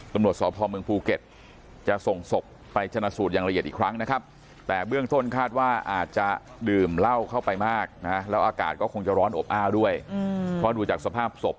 ตำรวจสอบพลเมืองภูเก็ตจะส่งศพไปชนสูตรอย่างละเอียดอีกครั้งนะครับ